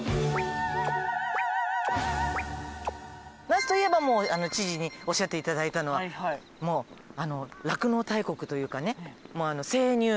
那須といえばもう知事におっしゃって頂いたのは酪農大国というかね生乳。